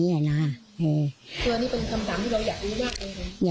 คืออันนี้เป็นคำถามที่เราอยากรู้มากเลยครับ